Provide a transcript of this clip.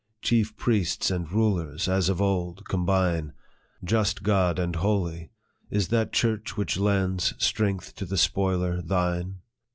Chief priests and rulers, as of old, combine ! Just God and holy ! is that church which lends Strength to the spoiler thine